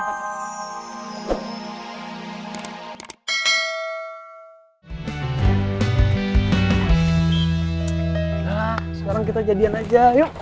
nah sekarang kita jadian aja yuk